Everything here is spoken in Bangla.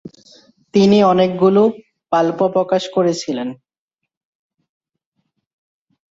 তিনি অনেকগুলি পাল্প প্রকাশ করেছিলেন।